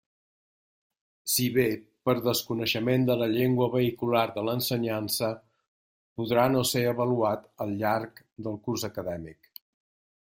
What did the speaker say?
Si bé, per desconeixement de la llengua vehicular de l'ensenyança podrà no ser avaluat al llarg del curs acadèmic.